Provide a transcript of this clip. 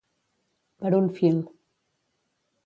Per un fil.